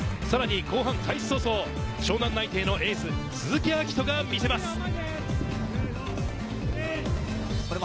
さらに後半開始早々、湘南内定の鈴木章斗が見せます。